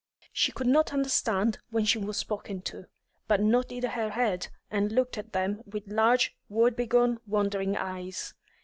She could not understand when she was spoken to, but nodded her head and looked at them with large, woebegone, wandering eyes.